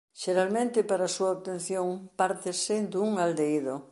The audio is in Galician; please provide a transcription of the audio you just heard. Xeralmente para a súa obtención pártese dun aldehido.